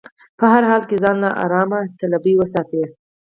په هر حال کې ځان له ارام طلبي وساتي.